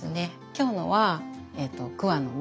今日のは桑の実。